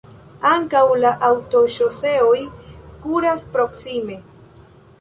Ankaŭ la aŭtoŝoseoj kuras proksime.